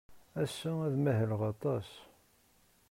Ass-a, ad mahleɣ aṭas.